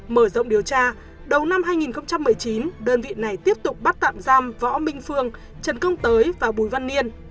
mở rộng điều tra đầu năm hai nghìn một mươi chín đơn vị này tiếp tục bắt tạm giam võ minh phương trần công tới và bùi văn niên